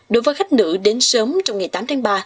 đối với khách nữ đến sớm trong ngày tám tháng ba